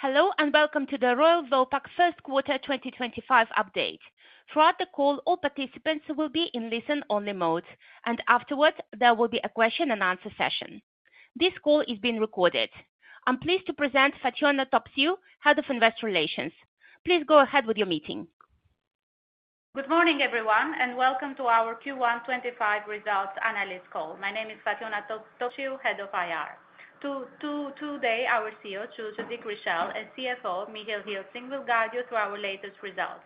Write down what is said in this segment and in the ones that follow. Hello and welcome to the Royal Vopak first quarter 2025 update. Throughout the call, all participants will be in listen-only mode, and afterwards there will be a question-and-answer session. This call is being recorded. I'm pleased to present Fatjona Topciu, Head of Investor Relations. Please go ahead with your meeting. Good morning, everyone, and welcome to our Q1 2025 results analyst call. My name is Fatjona Topciu, Head of IR. Today, our CEO, Dick Richelle, and CFO, Michiel Gilsing, will guide you through our latest results.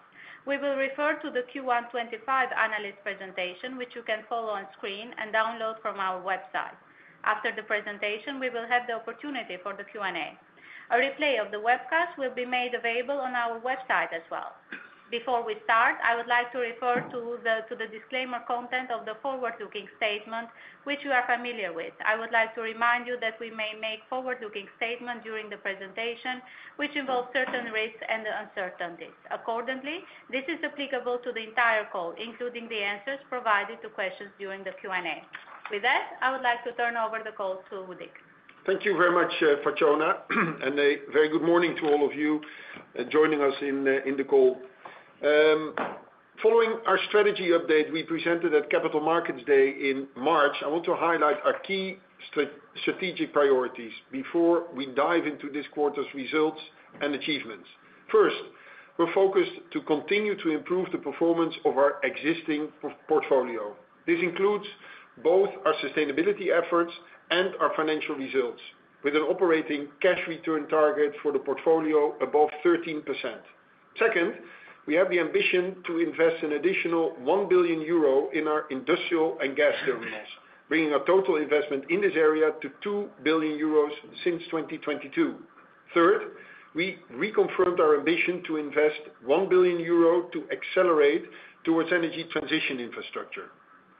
We will refer to the Q1 2025 analyst presentation, which you can follow on screen and download from our website. After the presentation, we will have the opportunity for the Q&A. A replay of the webcast will be made available on our website as well. Before we start, I would like to refer to the disclaimer content of the forward-looking statement, which you are familiar with. I would like to remind you that we may make forward-looking statements during the presentation, which involve certain risks and uncertainties. Accordingly, this is applicable to the entire call, including the answers provided to questions during the Q&A. With that, I would like to turn over the call to Dick. Thank you very much, Fatjona, and a very good morning to all of you joining us in the call. Following our strategy update we presented at Capital Markets Day in March, I want to highlight our key strategic priorities before we dive into this quarter's results and achievements. First, we're focused to continue to improve the performance of our existing portfolio. This includes both our sustainability efforts and our financial results, with an operating cash return target for the portfolio above 13%. Second, we have the ambition to invest an additional 1 billion euro in our industrial and gas terminals, bringing our total investment in this area to 2 billion euros since 2022. Third, we reconfirmed our ambition to invest 1 billion euro to accelerate towards energy transition infrastructure.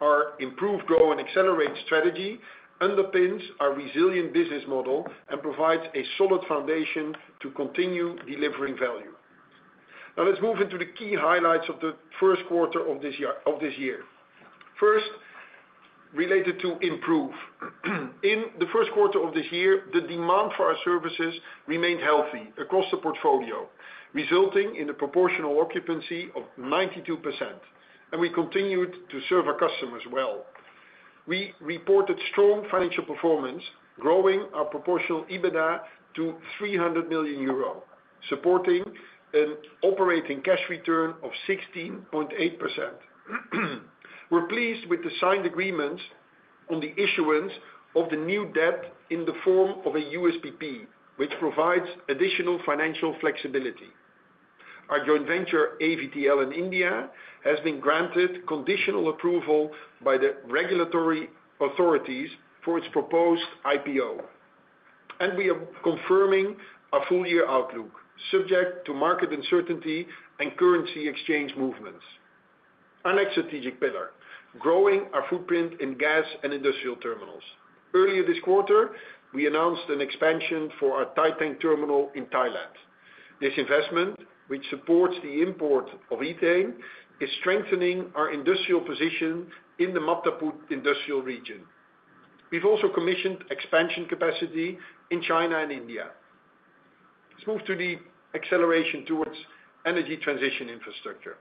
Our improved, grow, and accelerate strategy underpins our resilient business model and provides a solid foundation to continue delivering value. Now, let's move into the key highlights of the first quarter of this year. First, related to improve. In the first quarter of this year, the demand for our services remained healthy across the portfolio, resulting in a proportional occupancy of 92%, and we continued to serve our customers well. We reported strong financial performance, growing our proportional EBITDA to 300 million euro, supporting an operating cash return of 16.8%. We're pleased with the signed agreements on the issuance of the new debt in the form of a USPP, which provides additional financial flexibility. Our joint venture, AVTL in India, has been granted conditional approval by the regulatory authorities for its proposed IPO, and we are confirming a full-year outlook subject to market uncertainty and currency exchange movements. Our next strategic pillar: growing our footprint in gas and industrial terminals. Earlier this quarter, we announced an expansion for our Thai Tank Terminal in Thailand. This investment, which supports the import of ethane, is strengthening our industrial position in the Map Ta Phut Industrial Region. We've also commissioned expansion capacity in China and India. Let's move to the acceleration towards energy transition infrastructure.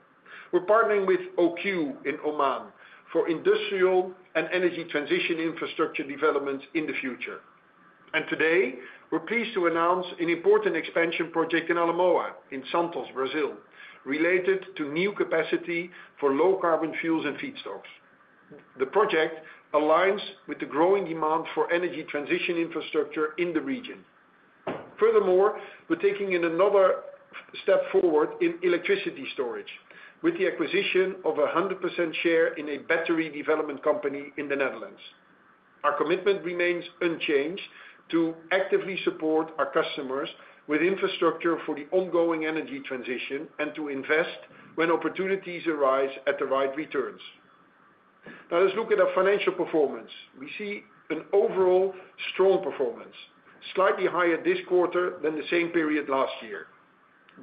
We're partnering with OQ in Oman for industrial and energy transition infrastructure development in the future. Today, we're pleased to announce an important expansion project in Alamoa, in Santos, Brazil, related to new capacity for low-carbon fuels and feedstocks. The project aligns with the growing demand for energy transition infrastructure in the region. Furthermore, we're taking another step forward in electricity storage with the acquisition of a 100% share in a battery development company in the Netherlands. Our commitment remains unchanged to actively support our customers with infrastructure for the ongoing energy transition and to invest when opportunities arise at the right returns. Now, let's look at our financial performance. We see an overall strong performance, slightly higher this quarter than the same period last year.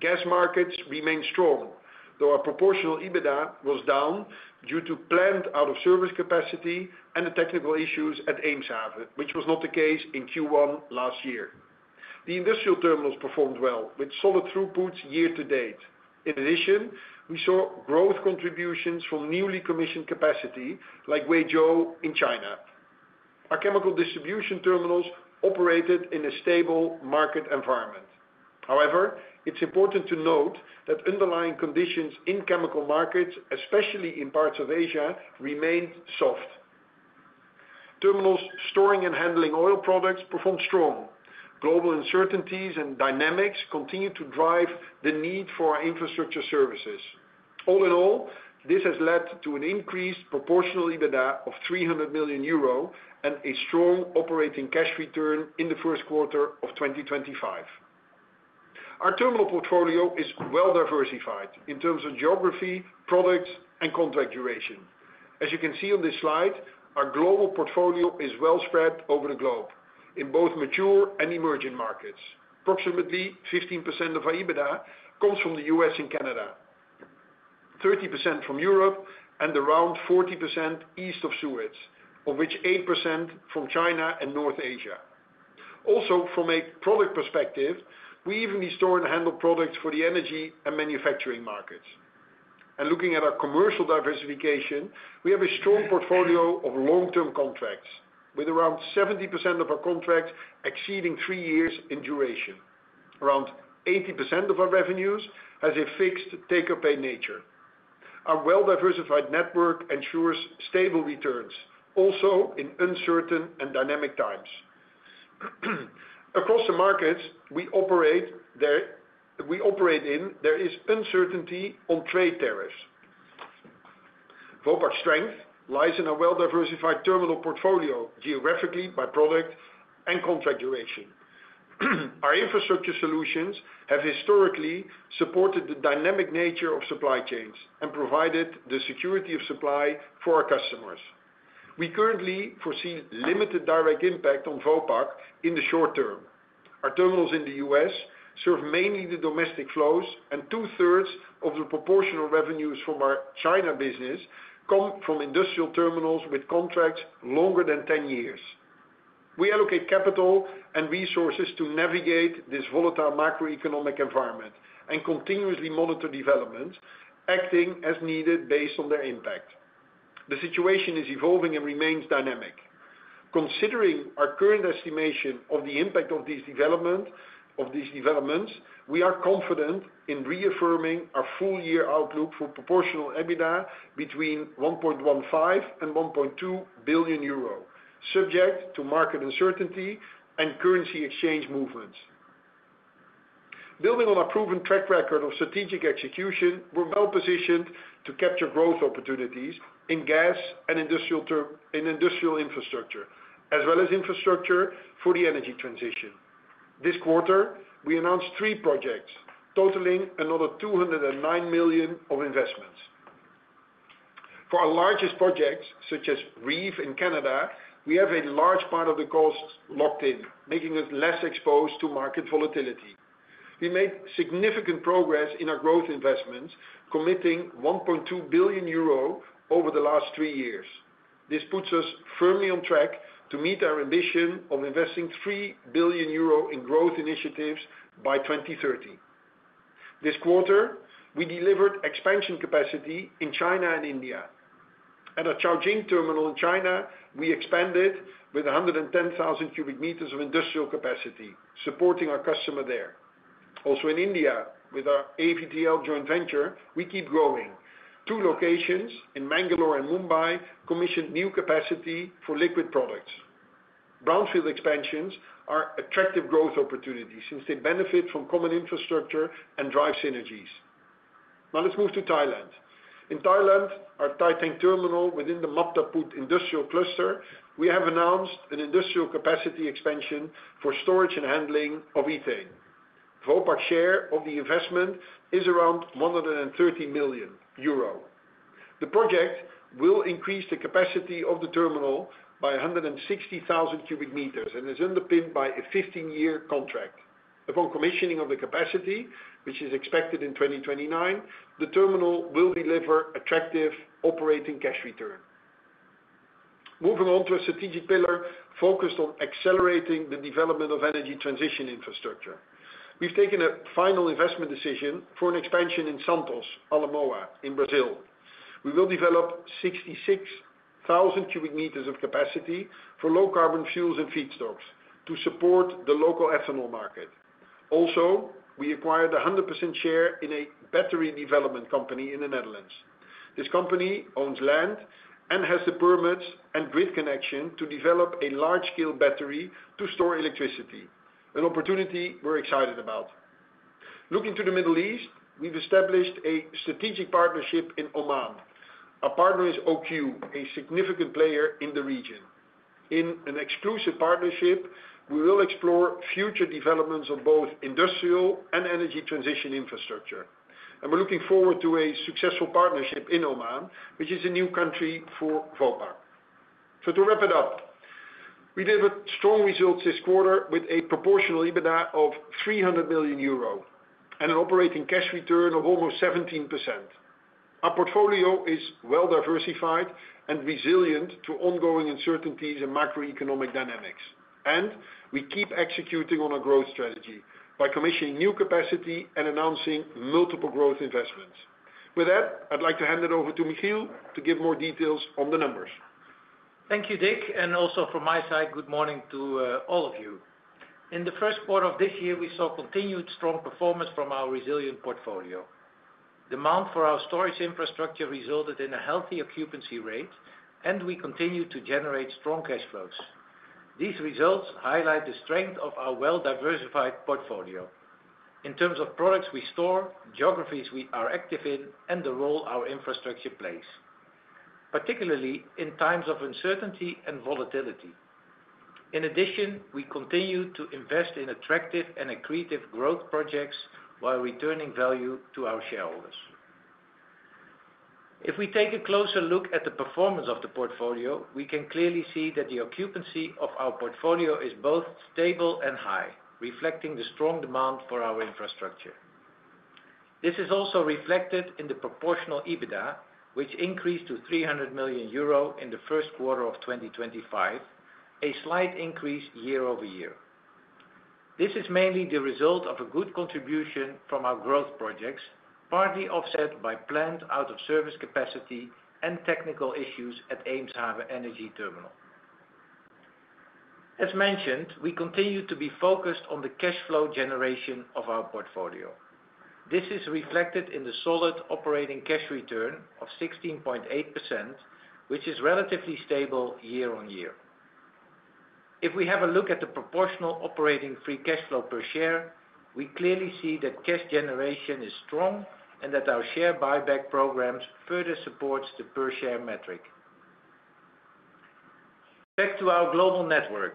Gas markets remain strong, though our proportional EBITDA was down due to planned out-of-service capacity and the technical issues at Eemshaven, which was not the case in Q1 last year. The industrial terminals performed well, with solid throughputs year to date. In addition, we saw growth contributions from newly commissioned capacity, like Huizhou in China. Our chemical distribution terminals operated in a stable market environment. However, it's important to note that underlying conditions in chemical markets, especially in parts of Asia, remained soft. Terminals storing and handling oil products performed strong. Global uncertainties and dynamics continue to drive the need for our infrastructure services. All in all, this has led to an increased proportional EBITDA of 300 million euro and a strong operating cash return in the first quarter of 2025. Our terminal portfolio is well diversified in terms of geography, products, and contract duration. As you can see on this slide, our global portfolio is well spread over the globe in both mature and emerging markets. Approximately 15% of our EBITDA comes from the US and Canada, 30% from Europe, and around 40% east of Suez, of which 8% from China and North Asia. Also, from a product perspective, we even store and handle products for the energy and manufacturing markets. Looking at our commercial diversification, we have a strong portfolio of long-term contracts, with around 70% of our contracts exceeding three years in duration. Around 80% of our revenues has a fixed take-or-pay nature. Our well-diversified network ensures stable returns, also in uncertain and dynamic times. Across the markets we operate in, there is uncertainty on trade tariffs. Vopak's strength lies in our well-diversified terminal portfolio, geographically, by product and contract duration. Our infrastructure solutions have historically supported the dynamic nature of supply chains and provided the security of supply for our customers. We currently foresee limited direct impact on Vopak in the short term. Our terminals in the U.S. serve mainly the domestic flows, and two-thirds of the proportional revenues from our China business come from industrial terminals with contracts longer than 10 years. We allocate capital and resources to navigate this volatile macroeconomic environment and continuously monitor developments, acting as needed based on their impact. The situation is evolving and remains dynamic. Considering our current estimation of the impact of these developments, we are confident in reaffirming our full-year outlook for proportional EBITDA between 1.15 billion-1.2 billion euro, subject to market uncertainty and currency exchange movements. Building on our proven track record of strategic execution, we're well positioned to capture growth opportunities in gas and industrial infrastructure, as well as infrastructure for the energy transition. This quarter, we announced three projects, totaling another 209 million of investments. For our largest projects, such as Reef in Canada, we have a large part of the costs locked in, making us less exposed to market volatility. We made significant progress in our growth investments, committing 1.2 billion euro over the last three years. This puts us firmly on track to meet our ambition of investing 3 billion euro in growth initiatives by 2030. This quarter, we delivered expansion capacity in China and India. At our Caojing terminal in China, we expanded with 110,000 cu m of industrial capacity, supporting our customer there. Also, in India, with our AVTL joint venture, we keep growing. Two locations in Mangalore and Mumbai commissioned new capacity for liquid products. Brownfield expansions are attractive growth opportunities since they benefit from common infrastructure and drive synergies. Now, let's move to Thailand. In Thailand, at our Thai Tank Terminal within the Map Ta Phut Industrial Cluster, we have announced an industrial capacity expansion for storage and handling of ethane. Vopak's share of the investment is around 130 million euro. The project will increase the capacity of the terminal by 160,000 cu m and is underpinned by a 15-year contract. Upon commissioning of the capacity, which is expected in 2029, the terminal will deliver attractive operating cash return. Moving on to a strategic pillar focused on accelerating the development of energy transition infrastructure. We've taken a final investment decision for an expansion in Santos, Alamoa, in Brazil. We will develop 66,000 cubic meters of capacity for low-carbon fuels and feedstocks to support the local ethanol market. Also, we acquired a 100% share in a battery development company in the Netherlands. This company owns land and has the permits and grid connection to develop a large-scale battery to store electricity, an opportunity we're excited about. Looking to the Middle East, we've established a strategic partnership in Oman. Our partner is OQ, a significant player in the region. In an exclusive partnership, we will explore future developments of both industrial and energy transition infrastructure. We are looking forward to a successful partnership in Oman, which is a new country for Vopak. To wrap it up, we delivered strong results this quarter with a proportional EBITDA of 300 million euro and an operating cash return of almost 17%. Our portfolio is well diversified and resilient to ongoing uncertainties and macroeconomic dynamics. We keep executing on our growth strategy by commissioning new capacity and announcing multiple growth investments. With that, I'd like to hand it over to Michiel to give more details on the numbers. Thank you, Dick. Also, from my side, good morning to all of you. In the first quarter of this year, we saw continued strong performance from our resilient portfolio. Demand for our storage infrastructure resulted in a healthy occupancy rate, and we continue to generate strong cash flows. These results highlight the strength of our well-diversified portfolio in terms of products we store, geographies we are active in, and the role our infrastructure plays, particularly in times of uncertainty and volatility. In addition, we continue to invest in attractive and accretive growth projects while returning value to our shareholders. If we take a closer look at the performance of the portfolio, we can clearly see that the occupancy of our portfolio is both stable and high, reflecting the strong demand for our infrastructure. This is also reflected in the proportional EBITDA, which increased to 300 million euro in the first quarter of 2025, a slight increase year over year. This is mainly the result of a good contribution from our growth projects, partly offset by planned out-of-service capacity and technical issues at Eemshaven Energy Terminal. As mentioned, we continue to be focused on the cash flow generation of our portfolio. This is reflected in the solid operating cash return of 16.8%, which is relatively stable year on year. If we have a look at the proportional operating free cash flow per share, we clearly see that cash generation is strong and that our share buyback programs further support the per-share metric. Back to our global network.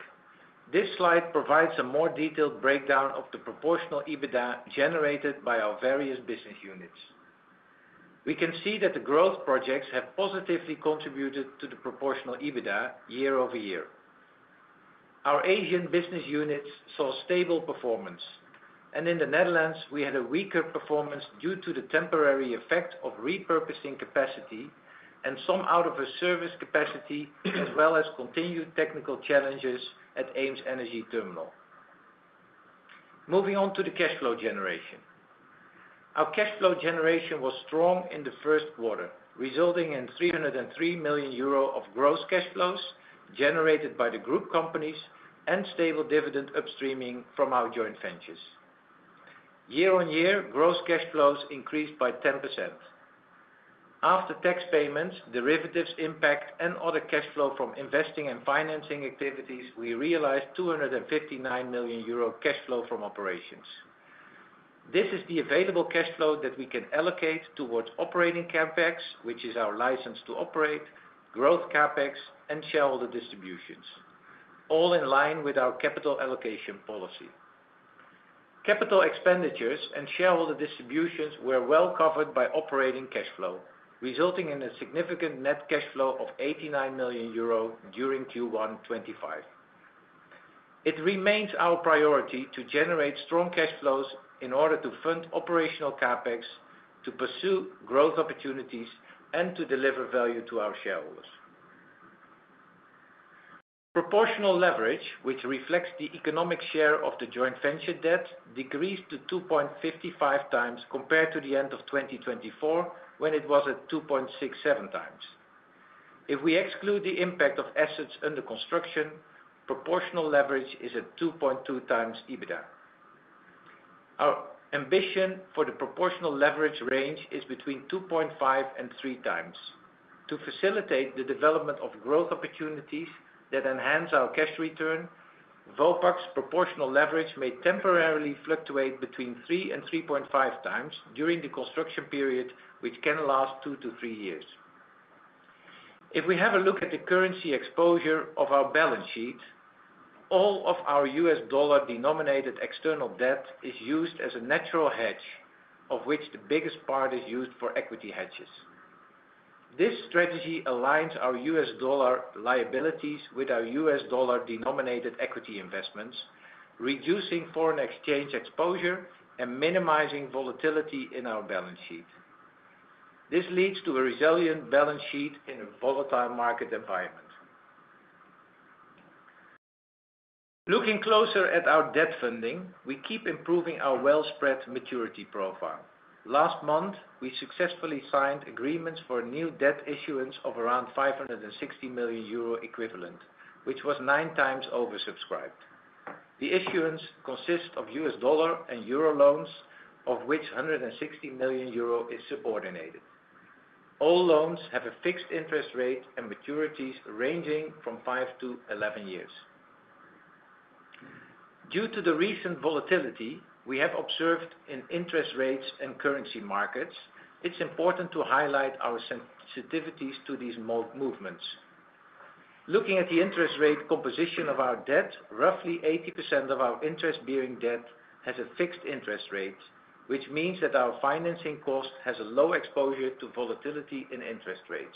This slide provides a more detailed breakdown of the proportional EBITDA generated by our various business units. We can see that the growth projects have positively contributed to the proportional EBITDA year over year. Our Asian business units saw stable performance. In the Netherlands, we had a weaker performance due to the temporary effect of repurposing capacity and some out-of-service capacity, as well as continued technical challenges at EemsEnergyTerminal. Moving on to the cash flow generation. Our cash flow generation was strong in the first quarter, resulting in 303 million euro of gross cash flows generated by the group companies and stable dividend upstreaming from our joint ventures. Year on year, gross cash flows increased by 10%. After tax payments, derivatives impact, and other cash flow from investing and financing activities, we realized 259 million euro cash flow from operations. This is the available cash flow that we can allocate towards operating CapEx, which is our license to operate, growth CapEx, and shareholder distributions, all in line with our capital allocation policy. Capital expenditures and shareholder distributions were well covered by operating cash flow, resulting in a significant net cash flow of 89 million euro during Q1 2025. It remains our priority to generate strong cash flows in order to fund operational CapEx, to pursue growth opportunities, and to deliver value to our shareholders. Proportional leverage, which reflects the economic share of the joint venture debt, decreased to 2.55 times compared to the end of 2024, when it was at 2.67x. If we exclude the impact of assets under construction, proportional leverage is at 2.2x EBITDA. Our ambition for the proportional leverage range is between 2.5 and 3x To facilitate the development of growth opportunities that enhance our cash return, Vopak's proportional leverage may temporarily fluctuate between 3-3.5x during the construction period, which can last 2-3 years. If we have a look at the currency exposure of our balance sheet, all of our US dollar-denominated external debt is used as a natural hedge, of which the biggest part is used for equity hedges. This strategy aligns our US dollar liabilities with our US dollar-denominated equity investments, reducing foreign exchange exposure and minimizing volatility in our balance sheet. This leads to a resilient balance sheet in a volatile market environment. Looking closer at our debt funding, we keep improving our well-spread maturity profile. Last month, we successfully signed agreements for a new debt issuance of around 560 million euro equivalent, which was nine times oversubscribed. The issuance consists of US dollar and EUR 160 million loans, of which 160 million euro is subordinated. All loans have a fixed interest rate and maturities ranging from 5-11 years. Due to the recent volatility we have observed in interest rates and currency markets, it's important to highlight our sensitivities to these mode movements. Looking at the interest rate composition of our debt, roughly 80% of our interest-bearing debt has a fixed interest rate, which means that our financing cost has a low exposure to volatility in interest rates.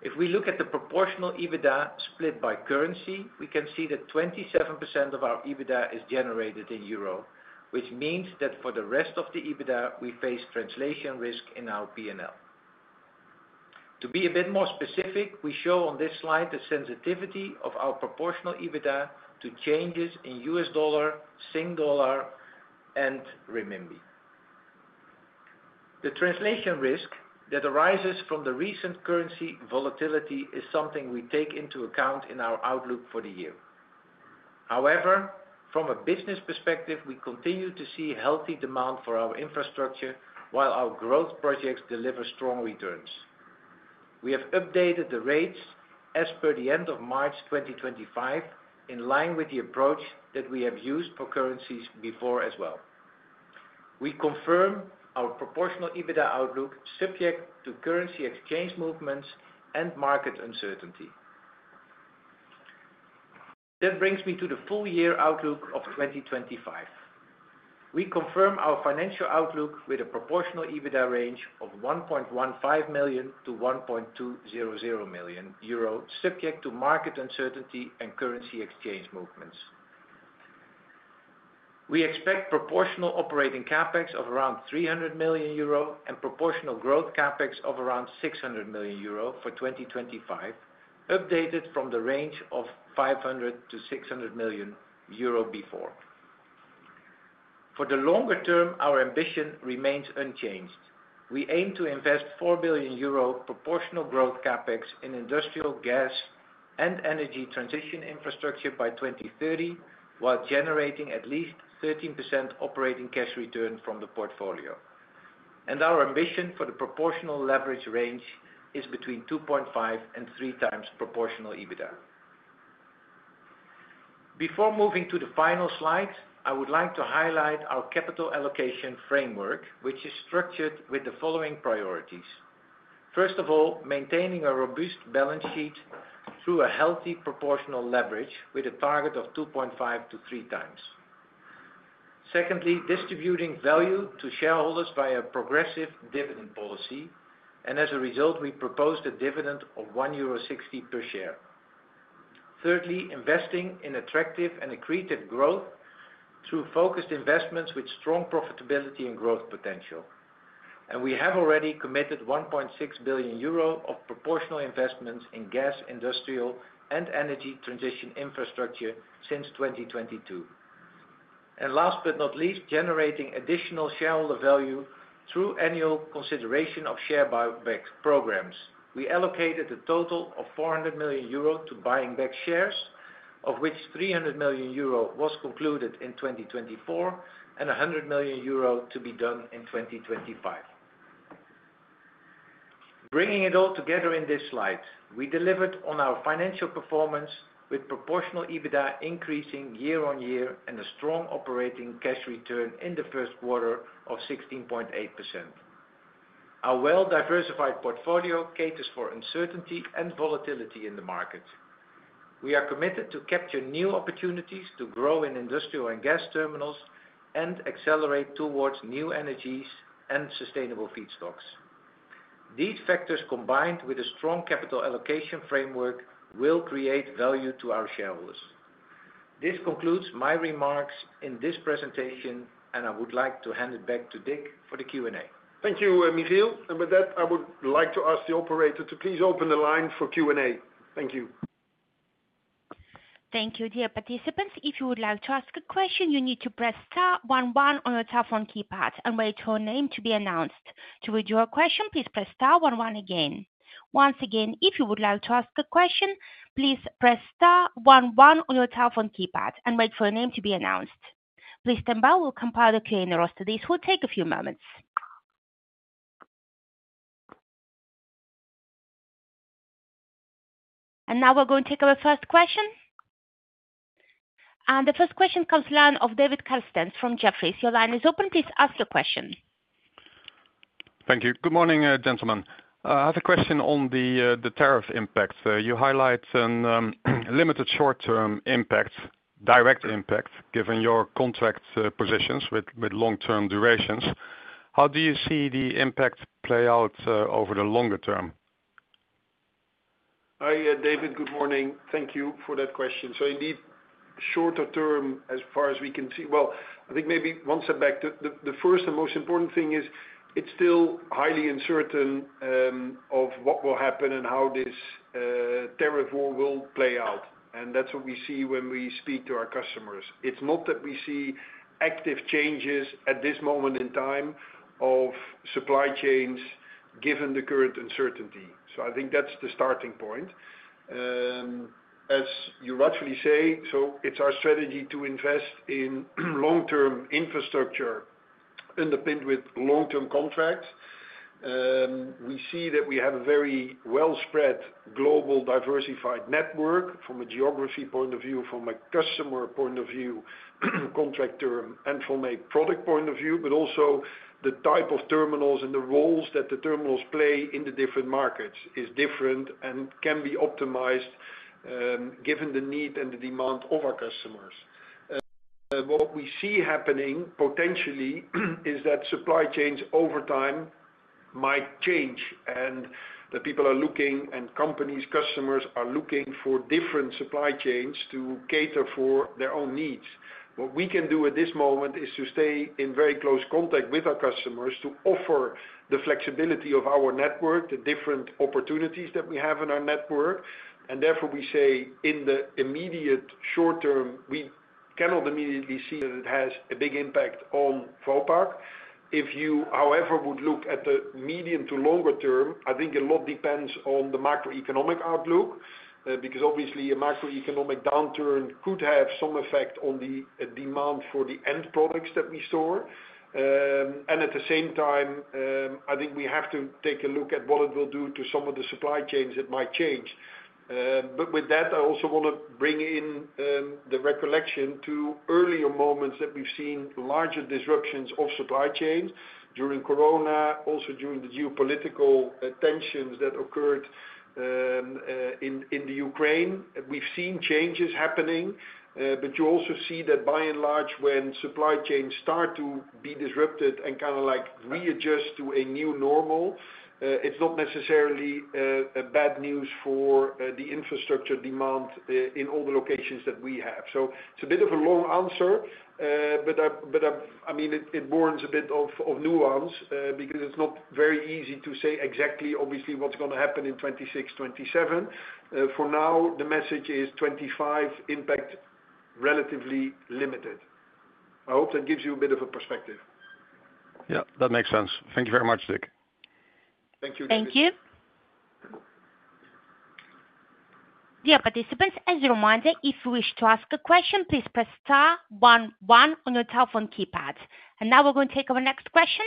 If we look at the proportional EBITDA split by currency, we can see that 27% of our EBITDA is generated in euro, which means that for the rest of the EBITDA, we face translation risk in our P&L. To be a bit more specific, we show on this slide the sensitivity of our proportional EBITDA to changes in US dollar, Singapore dollar, and Renminbi. The translation risk that arises from the recent currency volatility is something we take into account in our outlook for the year. However, from a business perspective, we continue to see healthy demand for our infrastructure while our growth projects deliver strong returns. We have updated the rates as per the end of March 2025, in line with the approach that we have used for currencies before as well. We confirm our proportional EBITDA outlook subject to currency exchange movements and market uncertainty. That brings me to the full-year outlook of 2025. We confirm our financial outlook with a proportional EBITDA range of 1.15 billion-1.2 billion euro, subject to market uncertainty and currency exchange movements. We expect proportional operating CapEx of around 300 million euro and proportional growth CapEx of around 600 million euro for 2025, updated from the range of 500-600 million euro before. For the longer term, our ambition remains unchanged. We aim to invest 4 billion euro proportional growth CapEx in industrial gas and energy transition infrastructure by 2030, while generating at least 13% operating cash return from the portfolio. Our ambition for the proportional leverage range is between 2.5x-3x proportional EBITDA. Before moving to the final slides, I would like to highlight our capital allocation framework, which is structured with the following priorities. First of all, maintaining a robust balance sheet through a healthy proportional leverage with a target of 2.5x-3x. Secondly, distributing value to shareholders via a progressive dividend policy. As a result, we propose a dividend of 1.60 euro per share. Thirdly, investing in attractive and accretive growth through focused investments with strong profitability and growth potential. We have already committed 1.6 billion euro of proportional investments in gas, industrial, and energy transition infrastructure since 2022. Last but not least, generating additional shareholder value through annual consideration of share buyback programs. We allocated a total of 400 million euro to buying back shares, of which 300 million euro was concluded in 2024 and 100 million euro to be done in 2025. Bringing it all together in this slide, we delivered on our financial performance with proportional EBITDA increasing year on year and a strong operating cash return in the first quarter of 16.8%. Our well-diversified portfolio caters for uncertainty and volatility in the market. We are committed to capture new opportunities to grow in industrial and gas terminals and accelerate towards new energies and sustainable feedstocks. These factors combined with a strong capital allocation framework will create value to our shareholders. This concludes my remarks in this presentation, and I would like to hand it back to Dick for the Q&A. Thank you, Michiel. With that, I would like to ask the operator to please open the line for Q&A. Thank you. Thank you, dear participants. If you would like to ask a question, you need to press star one one on your telephone keypad and wait for your name to be announced. To read your question, please press star one one again. Once again, if you would like to ask a question, please press star one one on your telephone keypad and wait for your name to be announced. Please stand by, we'll compile the Q&A roster. This will take a few moments. Now we're going to take our first question. The first question comes to the line of David Kerstens from Jefferies. Your line is open. Please ask your question. Thank you. Good morning, gentlemen. I have a question on the tariff impacts. You highlight a limited short-term impact, direct impact, given your contract positions with long-term durations. How do you see the impact play out over the longer term? Hi, David. Good morning. Thank you for that question. Indeed, shorter term, as far as we can see, I think maybe one step back. The first and most important thing is it's still highly uncertain what will happen and how this tariff war will play out. That is what we see when we speak to our customers. It's not that we see active changes at this moment in time of supply chains given the current uncertainty. I think that's the starting point. As you rightfully say, it's our strategy to invest in long-term infrastructure underpinned with long-term contracts. We see that we have a very well-spread global diversified network from a geography point of view, from a customer point of view, contract term, and from a product point of view. Also, the type of terminals and the roles that the terminals play in the different markets is different and can be optimized given the need and the demand of our customers. What we see happening potentially is that supply chains over time might change and that people are looking and companies, customers are looking for different supply chains to cater for their own needs. What we can do at this moment is to stay in very close contact with our customers to offer the flexibility of our network, the different opportunities that we have in our network. Therefore, we say in the immediate short term, we cannot immediately see that it has a big impact on Vopak. If you, however, would look at the medium to longer term, I think a lot depends on the macroeconomic outlook because obviously a macroeconomic downturn could have some effect on the demand for the end products that we store. At the same time, I think we have to take a look at what it will do to some of the supply chains that might change. With that, I also want to bring in the recollection to earlier moments that we've seen larger disruptions of supply chains during Corona, also during the geopolitical tensions that occurred in the Ukraine. We've seen changes happening. You also see that by and large when supply chains start to be disrupted and kind of like readjust to a new normal, it's not necessarily bad news for the infrastructure demand in all the locations that we have. It's a bit of a long answer. I mean, it warrants a bit of nuance because it's not very easy to say exactly, obviously, what's going to happen in 2026, 2027. For now, the message is 2025 impact relatively limited. I hope that gives you a bit of a perspective. Yeah, that makes sense. Thank you very much, Dick. Thank you. Thank you. Dear participants, as a reminder, if you wish to ask a question, please press star one one on your telephone keypad. Now we are going to take our next question.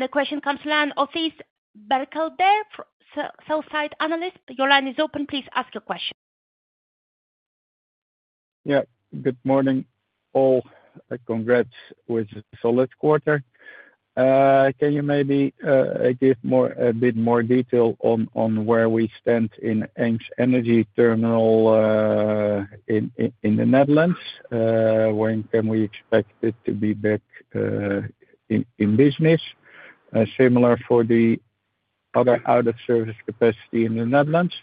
The question comes to the line of Thijs Berkelder, Sell-side Analyst. Your line is open. Please ask your question. Yeah. Good morning all. Congrats with solid quarter. Can you maybe give a bit more detail on where we stand in energy terminal in the Netherlands? When can we expect it to be back in business? Similar for the other out-of-service capacity in the Netherlands.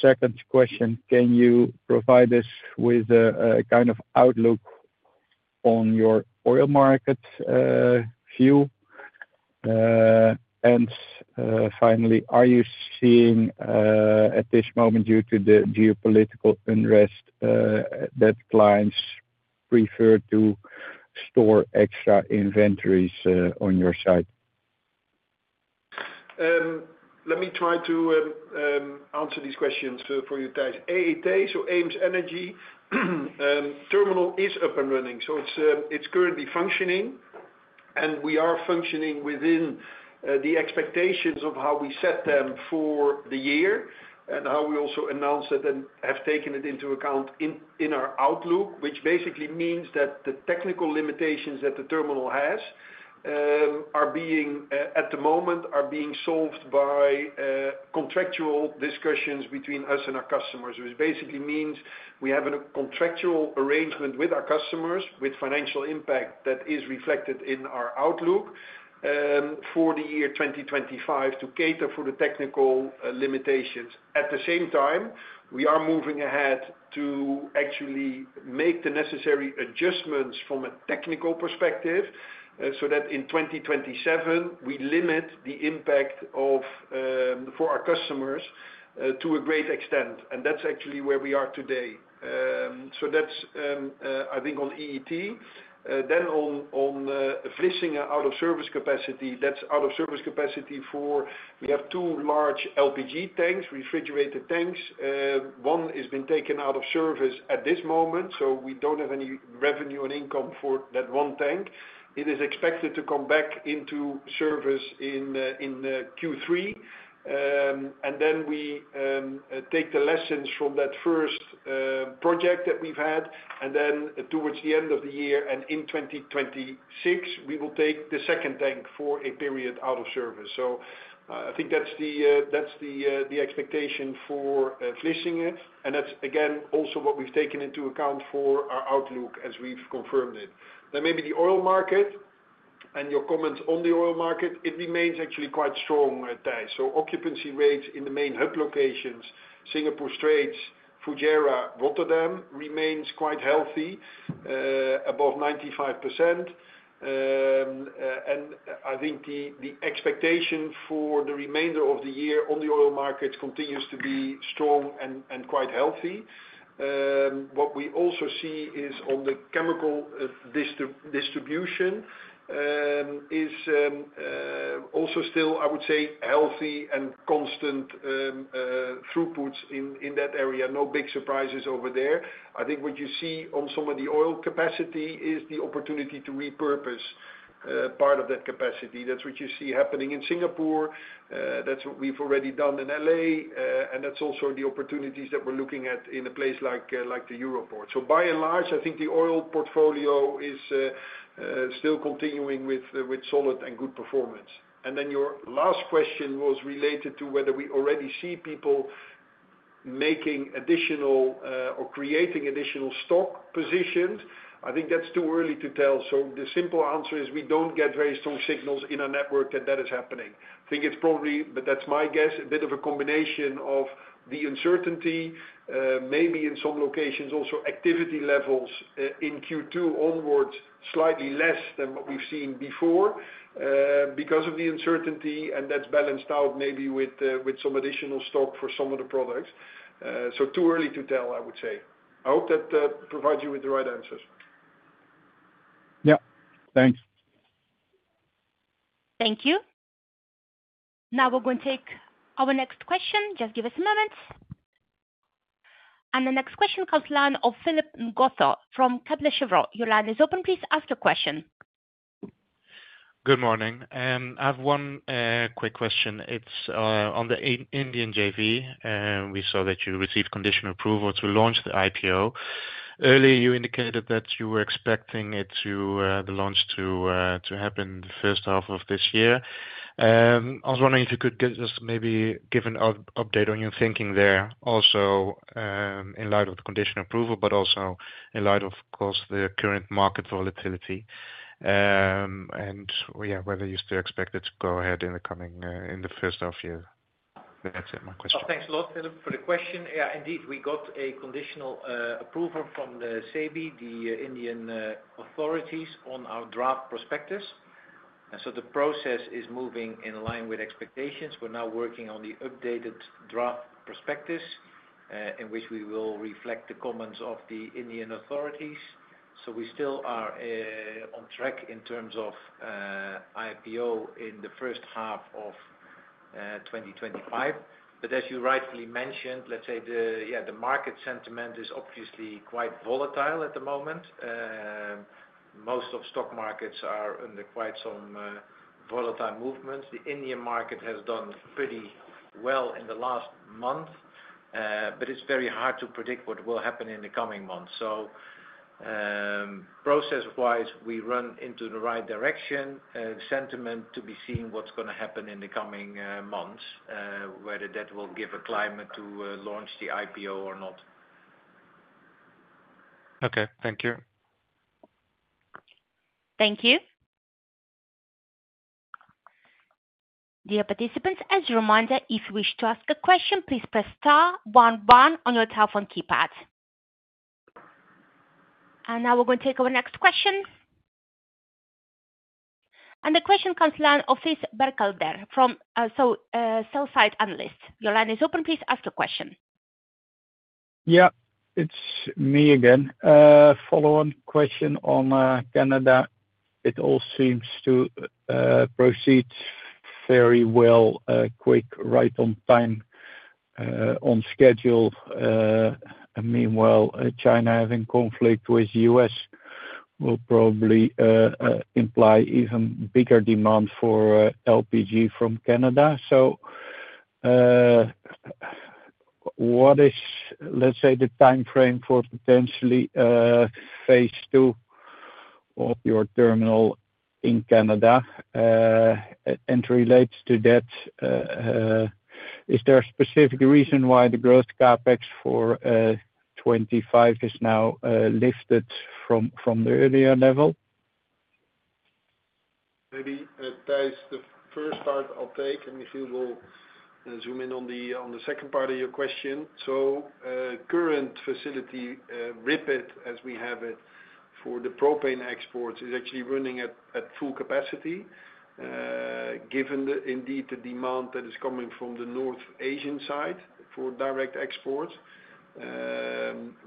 Second question, can you provide us with a kind of outlook on your oil market view? Finally, are you seeing at this moment due to the geopolitical unrest that clients prefer to store extra inventories on your side? Let me try to answer these questions for you guys. EET, so EemsEnergyTerminal is up and running. It is currently functioning. We are functioning within the expectations of how we set them for the year and how we also announced that and have taken it into account in our outlook, which basically means that the technical limitations that the terminal has at the moment are being solved by contractual discussions between us and our customers, which basically means we have a contractual arrangement with our customers with financial impact that is reflected in our outlook for the year 2025 to cater for the technical limitations. At the same time, we are moving ahead to actually make the necessary adjustments from a technical perspective so that in 2027, we limit the impact for our customers to a great extent. That is actually where we are today. That is, I think, on EET. On Vlissingen out-of-service capacity, that is out-of-service capacity for we have two large LPG tanks, refrigerated tanks. One has been taken out of service at this moment. We do not have any revenue and income for that one tank. It is expected to come back into service in Q3. We take the lessons from that first project that we have had. Towards the end of the year and in 2026, we will take the second tank for a period out of service. I think that is the expectation for Vlissingen. That is, again, also what we have taken into account for our outlook as we have confirmed it. Maybe the oil market and your comments on the oil market. It remains actually quite strong, tight. Occupancy rates in the main hub locations, Singapore Straits, Fujairah, Rotterdam remain quite healthy, above 95%. I think the expectation for the remainder of the year on the oil markets continues to be strong and quite healthy. What we also see is on the chemical distribution is also still, I would say, healthy and constant throughputs in that area. No big surprises over there. I think what you see on some of the oil capacity is the opportunity to repurpose part of that capacity. That is what you see happening in Singapore. That is what we have already done in LA. That is also the opportunities that we are looking at in a place like the Europoort. By and large, I think the oil portfolio is still continuing with solid and good performance. Your last question was related to whether we already see people making additional or creating additional stock positions. I think that is too early to tell. The simple answer is we don't get very strong signals in a network that that is happening. I think it's probably, but that's my guess, a bit of a combination of the uncertainty, maybe in some locations also activity levels in Q2 onwards slightly less than what we've seen before because of the uncertainty. That's balanced out maybe with some additional stock for some of the products. Too early to tell, I would say. I hope that provides you with the right answers. Yeah. Thanks. Thank you. Now we're going to take our next question. Just give us a moment. The next question comes to the line of Philip Ngotho from Kepler Cheuvreux. Your line is open. Please ask your question. Good morning. I have one quick question. It's on the Indian JV. We saw that you received conditional approval to launch the IPO. Earlier, you indicated that you were expecting the launch to happen the first half of this year. I was wondering if you could just maybe give an update on your thinking there also in light of the conditional approval, but also in light of, of course, the current market volatility and whether you still expect it to go ahead in the first half year. That's it, my question. Thanks a lot, Philip, for the question. Yeah, indeed, we got a conditional approval from the SEBI, the Indian authorities, on our draft prospectus. The process is moving in line with expectations. We're now working on the updated draft prospectus in which we will reflect the comments of the Indian authorities. We still are on track in terms of IPO in the first half of 2025. As you rightfully mentioned, let's say the market sentiment is obviously quite volatile at the moment. Most of stock markets are under quite some volatile movements. The Indian market has done pretty well in the last month, but it's very hard to predict what will happen in the coming months. Process-wise, we run into the right direction. Sentiment to be seen what's going to happen in the coming months, whether that will give a climate to launch the IPO or not. Okay. Thank you. Thank you. Dear participants, as a reminder, if you wish to ask a question, please press star one one on your telephone keypad. Now we are going to take our next question. The question comes to the line of Thijs Berkelder from Sell-side Analyst. Your line is open. Please ask your question. Yeah. It's me again. Follow-on question on Canada. It all seems to proceed very well, quick, right on time, on schedule. Meanwhile, China having conflict with the U.S. will probably imply even bigger demand for LPG from Canada. What is, let's say, the time frame for potentially phase two of your terminal in Canada? Related to that, is there a specific reason why the growth CapEx for 2025 is now lifted from the earlier level? Maybe Thijs, the first part I'll take, and Michiel will zoom in on the second part of your question. Current facility, RIPET, as we have it for the propane exports, is actually running at full capacity given indeed the demand that is coming from the North Asian side for direct exports.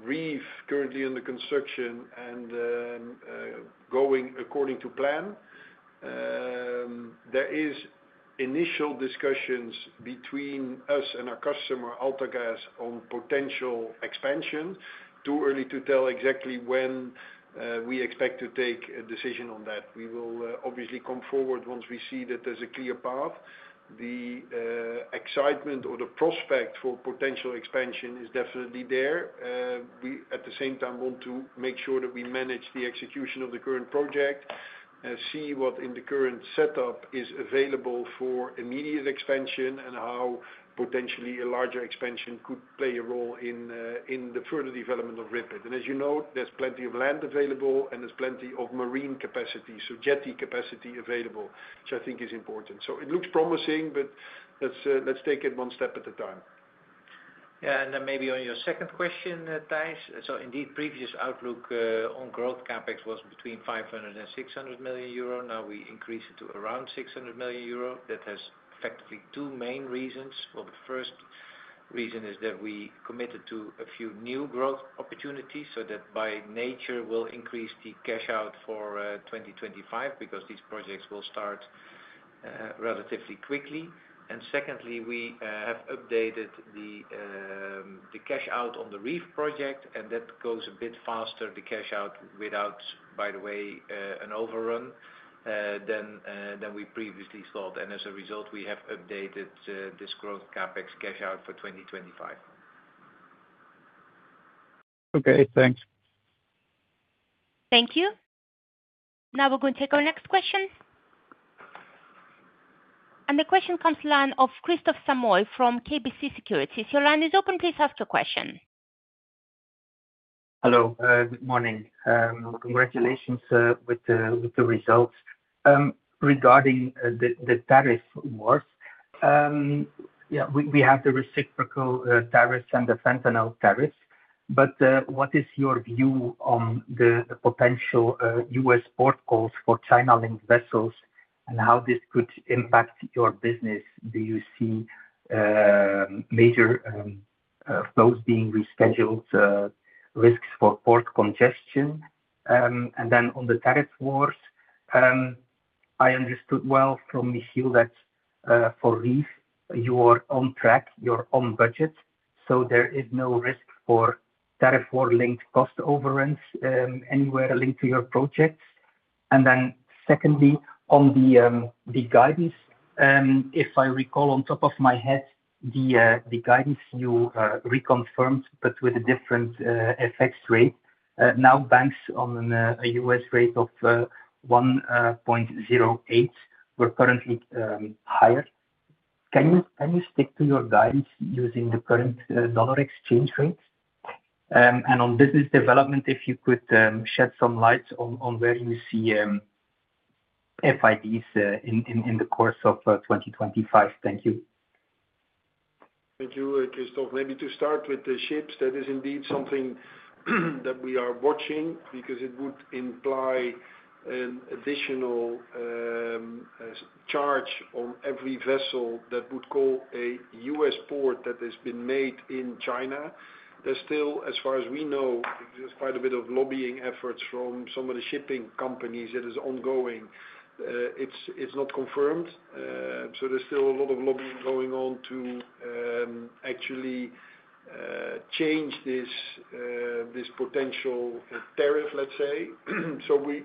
Reef currently under construction and going according to plan. There are initial discussions between us and our customer, AltaGas, on potential expansion. Too early to tell exactly when we expect to take a decision on that. We will obviously come forward once we see that there's a clear path. The excitement or the prospect for potential expansion is definitely there. We, at the same time, want to make sure that we manage the execution of the current project and see what in the current setup is available for immediate expansion and how potentially a larger expansion could play a role in the further development of RIPET. As you know, there's plenty of land available and there's plenty of marine capacity, so jetty capacity available, which I think is important. It looks promising, but let's take it one step at a time. Yeah. Maybe on your second question, Thijs, so indeed, previous outlook on growth CapEx was between 500 million euro and 600 million euro. Now we increased it to around 600 million euro. That has effectively two main reasons. The first reason is that we committed to a few new growth opportunities, so that by nature will increase the cash out for 2025 because these projects will start relatively quickly. Secondly, we have updated the cash out on the Reef project, and that goes a bit faster, the cash out without, by the way, an overrun than we previously thought. As a result, we have updated this growth CapEx cash out for 2025. Okay. Thanks. Thank you. Now we're going to take our next question. The question comes to the line of Kristof Samoy from KBC Securities. Your line is open. Please ask your question. Hello. Good morning. Congratulations with the results. Regarding the tariff wars, yeah, we have the reciprocal tariffs and the fentanyl tariffs. What is your view on the potential U.S. port calls for China-linked vessels and how this could impact your business? Do you see major flows being rescheduled, risks for port congestion? On the tariff wars, I understood well from Michiel that for Reef, you are on track, you're on budget. There is no risk for tariff war-linked cost overruns anywhere linked to your projects. Secondly, on the guidance, if I recall on top of my head, the guidance you reconfirmed, but with a different effects rate. Now banks on a U.S. rate of $1.08 were currently higher. Can you stick to your guidance using the current dollar exchange rate? On business development, if you could shed some light on where you see FIDs in the course of 2025. Thank you. Thank you, Kristof. Maybe to start with the ships, that is indeed something that we are watching because it would imply an additional charge on every vessel that would call a U.S. port that has been made in China. There's still, as far as we know, quite a bit of lobbying efforts from some of the shipping companies that are ongoing. It's not confirmed. There's still a lot of lobbying going on to actually change this potential tariff, let's say.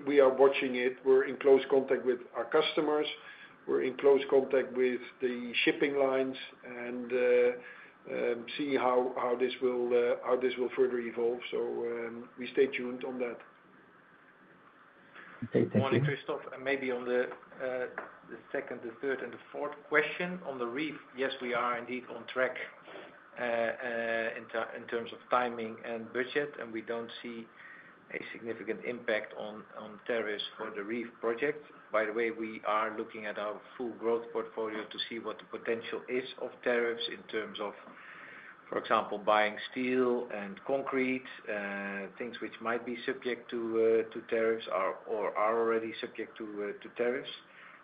We are watching it. We're in close contact with our customers. We're in close contact with the shipping lines and see how this will further evolve. We stay tuned on that. Okay. Thank you. Good morning, Kristof. Maybe on the second, the third, and the fourth question on the Reef, yes, we are indeed on track in terms of timing and budget, and we do not see a significant impact on tariffs for the Reef project. By the way, we are looking at our full growth portfolio to see what the potential is of tariffs in terms of, for example, buying steel and concrete, things which might be subject to tariffs or are already subject to tariffs.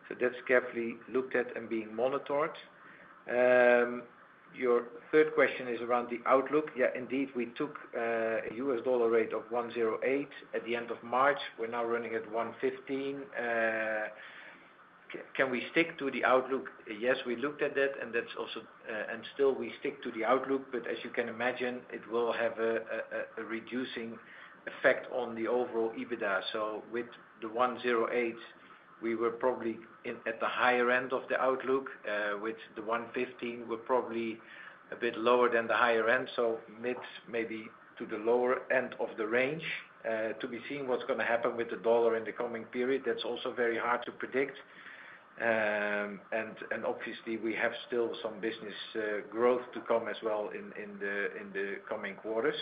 That is carefully looked at and being monitored. Your third question is around the outlook. Yeah, indeed, we took a US dollar rate of $1.08 at the end of March. We are now running at $1.15. Can we stick to the outlook? Yes, we looked at that, and still we stick to the outlook. As you can imagine, it will have a reducing effect on the overall EBITDA. With the 1.08, we were probably at the higher end of the outlook. With the 1.15, we're probably a bit lower than the higher end. Mid maybe to the lower end of the range. To be seen what's going to happen with the dollar in the coming period. That's also very hard to predict. Obviously, we have still some business growth to come as well in the coming quarters.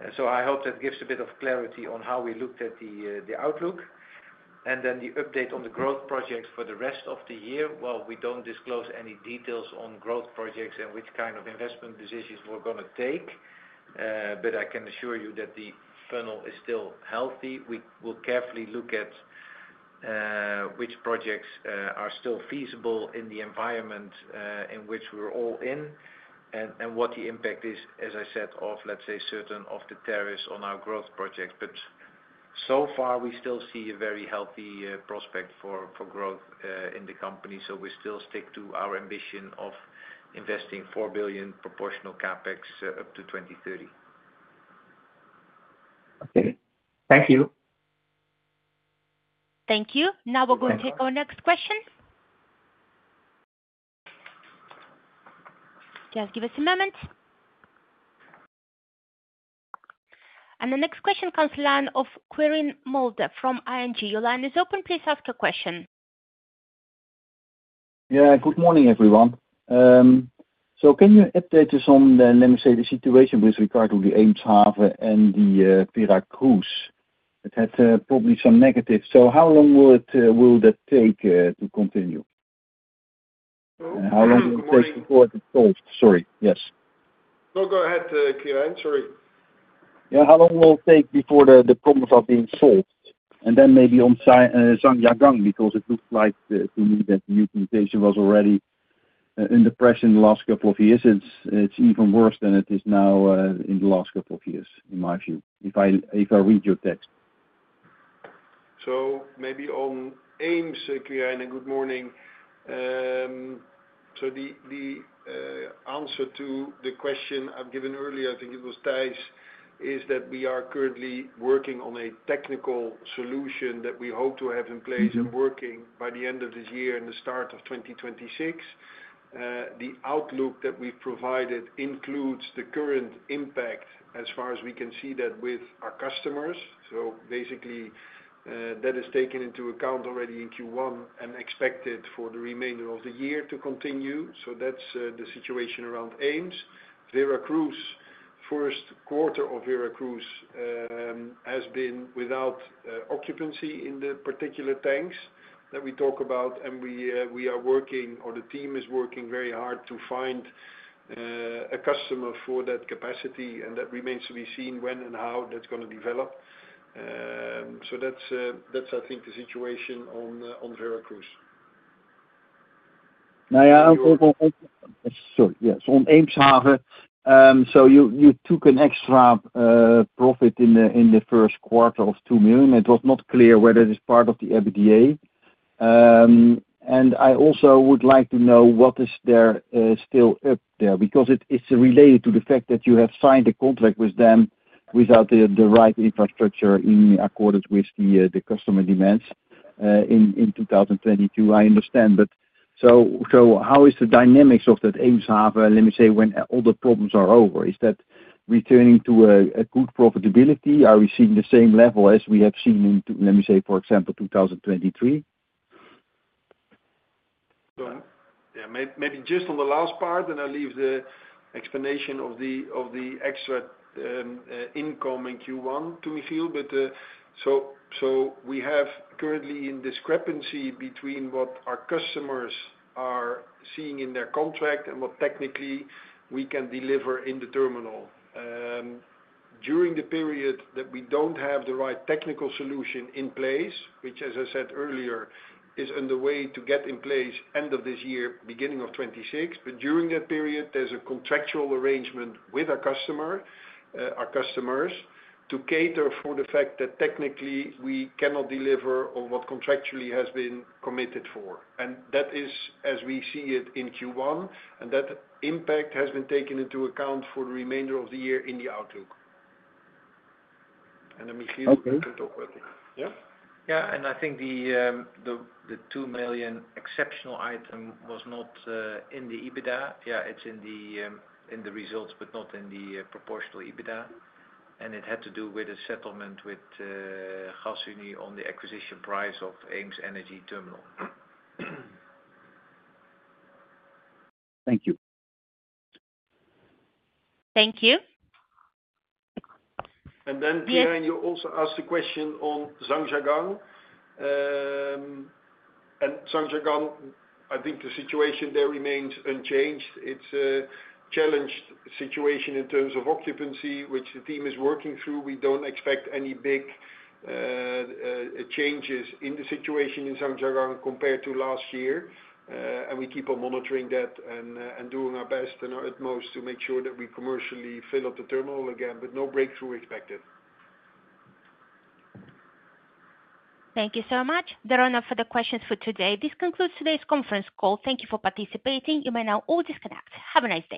I hope that gives a bit of clarity on how we looked at the outlook. The update on the growth projects for the rest of the year, we do not disclose any details on growth projects and which kind of investment decisions we're going to take. I can assure you that the funnel is still healthy. We will carefully look at which projects are still feasible in the environment in which we're all in and what the impact is, as I said, of, let's say, certain of the tariffs on our growth projects. We still see a very healthy prospect for growth in the company. We still stick to our ambition of investing 4 billion proportional CapEx up to 2030. Okay. Thank you. Thank you. Now we're going to take our next question. Just give us a moment. The next question comes to the line of Quirijn Mulder from ING. Your line is open. Please ask your question. Yeah. Good morning, everyone. Can you update us on, let me say, the situation with regard to the Eemshaven and the Veracruz? It had probably some negatives. How long will that take to continue? How long will it take before it's solved? Sorry. Yes. No, go ahead, Quirijn. Sorry. Yeah. How long will it take before the problems are being solved? Maybe on Zhangjiagang, because it looks like to me that the utility station was already in the press in the last couple of years, and it's even worse than it is now in the last couple of years, in my view, if I read your text. Maybe on Eemshaven, Quirijn, and good morning. The answer to the question I have given earlier, I think it was Thijs, is that we are currently working on a technical solution that we hope to have in place and working by the end of this year and the start of 2026. The outlook that we have provided includes the current impact as far as we can see that with our customers. Basically, that is taken into account already in Q1 and expected for the remainder of the year to continue. That is the situation around Eemshaven. Veracruz, first quarter of Veracruz has been without occupancy in the particular tanks that we talk about, and we are working, or the team is working very hard to find a customer for that capacity. That remains to be seen when and how that is going to develop. I think that's the situation on Veracruz. Sorry. Yes. On Eemshaven, you took an extra profit in the first quarter of €2 million. It was not clear whether it is part of the EBITDA. I also would like to know what is there still up there because it is related to the fact that you have signed a contract with them without the right infrastructure in accordance with the customer demands in 2022. I understand. How is the dynamics of that Eemshaven, let me say, when all the problems are over? Is that returning to a good profitability? Are we seeing the same level as we have seen in, let me say, for example, 2023? Yeah. Maybe just on the last part, and I'll leave the explanation of the extra income in Q1 to Michiel. We have currently a discrepancy between what our customers are seeing in their contract and what technically we can deliver in the terminal. During the period that we do not have the right technical solution in place, which, as I said earlier, is underway to get in place end of this year, beginning of 2026. During that period, there is a contractual arrangement with our customers to cater for the fact that technically we cannot deliver on what contractually has been committed for. That is as we see it in Q1. That impact has been taken into account for the remainder of the year in the outlook. Michiel, you can talk about it. Yeah? Yeah. I think the 2 million exceptional item was not in the EBITDA. Yeah, it is in the results, but not in the proportional EBITDA. It had to do with a settlement with Gasunie on the acquisition price of EemsEnergyTerminal. Thank you. Thank you. Kiran, you also asked a question on Zhangjiagang. Zhangjiagang, I think the situation there remains unchanged. It's a challenged situation in terms of occupancy, which the team is working through. We don't expect any big changes in the situation in Zhangjiagang compared to last year. We keep on monitoring that and doing our best and our utmost to make sure that we commercially fill up the terminal again, but no breakthrough expected. Thank you so much. There are no further questions for today. This concludes today's conference call. Thank you for participating. You may now all disconnect. Have a nice day.